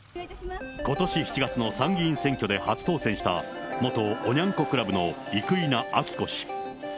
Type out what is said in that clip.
ことし７月の参議院選挙で初当選した元おニャン子クラブの生稲晃子氏。